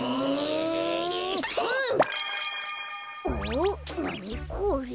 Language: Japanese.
おなにこれ？